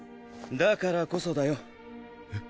だからこそだよ！えっ？